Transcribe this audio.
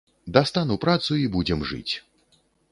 Дастану працу і будзем жыць.